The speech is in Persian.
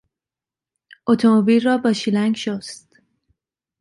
اتومبیل را با شیلنگ شست.